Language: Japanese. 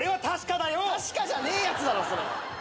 確かじゃねえやつだろそれ！